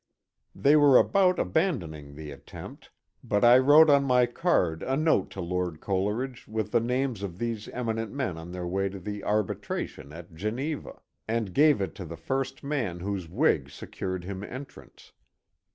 They were about abandoning the attempt, but I 298 MONCURE DANIEL CONWAY wrote on my card a note to Lord Coleridge with the names of these eminent men on their way to die Arbitration at Geneva, and gave it to the first man whose wig secured him entrance.